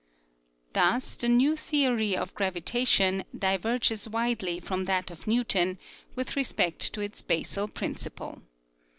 Thus the new theory of gravitation diverges widely from that of Newton with respect to its basal principle.